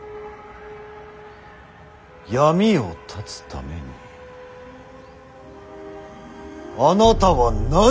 闇を断つためにあなたは何をなされた。